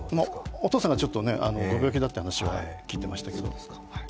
お父さんがちょっとご病気だという話は、聞いてましたけど。